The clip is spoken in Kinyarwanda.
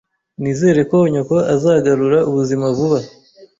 Nizere ko nyoko azagarura ubuzima vuba